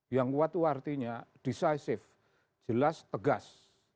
yang kuat itu artinya decisive jelas tegas